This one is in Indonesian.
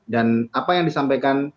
dan apa yang disampaikan